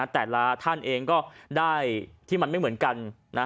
แต่ละท่านเองก็ได้ที่มันไม่เหมือนกัน